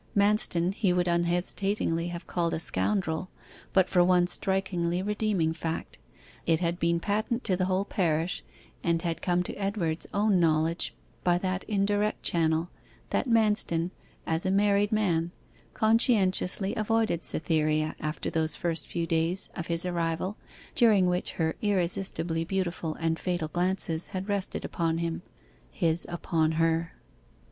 Manston he would unhesitatingly have called a scoundrel, but for one strikingly redeeming fact. It had been patent to the whole parish, and had come to Edward's own knowledge by that indirect channel, that Manston, as a married man, conscientiously avoided Cytherea after those first few days of his arrival during which her irresistibly beautiful and fatal glances had rested upon him his upon her.